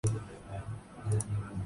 اپنے شوق کی تکمیل کروں گی